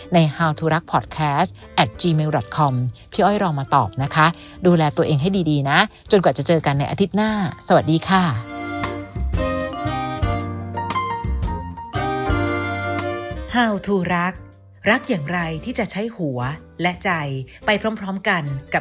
ในอาทิตย์หน้าสวัสดีค่ะ